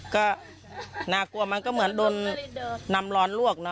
ก็น่ากลัวมันก็เหมือนโดนน้ำร้อนลวกเน